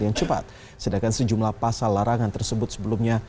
yang cepat sedangkan sejumlah pasal larangan tersebut sebelumnya